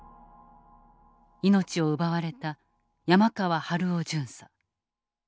命を奪われた山川治男巡査。